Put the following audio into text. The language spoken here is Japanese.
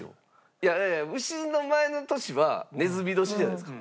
いやいや丑の前の年は子年じゃないですか。